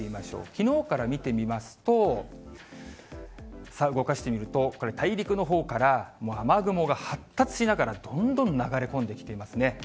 きのうから見てみますと、動かしてみると、これ、大陸のほうから、もう雨雲が発達しながらどんどん流れ込んできていますね。